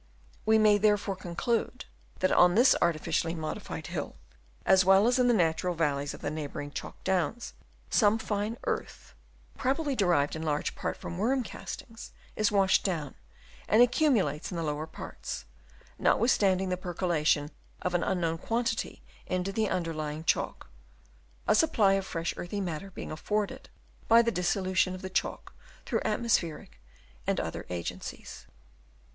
We may therefore conclude that on this artificially modified hill, as well as in the natural valleys of the neighbouring Chalk Downs, some fine earth, probably derived in large part from Chap. VI. MOULD OVER THE CHALK. 307 worm castings, is washed down, and accumu lates in the lower parts, notwithstanding the percolation of an unknown quantity into the underlying chalk ; a supply of fresh earthy matter being afforded by the dissolution of the chalk through atmospheric and other agencies.